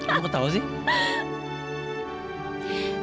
kenapa ketawa sih